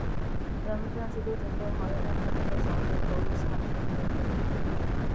两名战士都准备好要带领他们的小队投入下一场战斗。